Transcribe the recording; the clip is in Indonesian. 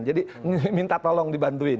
jadi minta tolong dibantuin